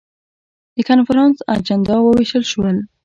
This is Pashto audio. د کنفرانس اجندا وویشل شول.